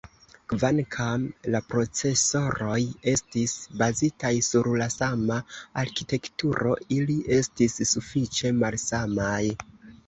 Kvankam la procesoroj estis bazitaj sur la sama arkitekturo ili estis sufiĉe malsamaj.